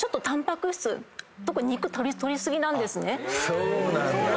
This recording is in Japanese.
そうなんだ。